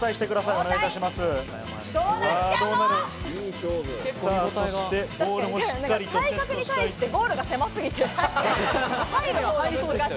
体格に対してゴールが狭すぎて。